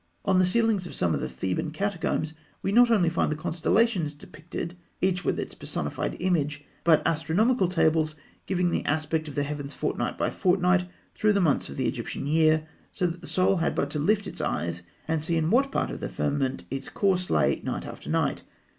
On the ceilings of some of the Theban catacombs, we not only find the constellations depicted, each with its personified image, but astronomical tables giving the aspect of the heavens fortnight by fortnight throughout the months of the Egyptian year, so that the Soul had but to lift its eyes and see in what part of the firmament its course lay night after night.